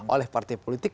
oleh partai politik